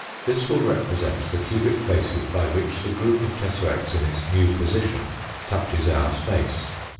This will represent the cubic faces by which the group of tesseracts in its new position touches our space.